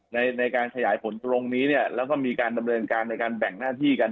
ในการขยายผลตรงนี้เนี่ยแล้วก็มีการดำเนินการในการแบ่งหน้าที่กัน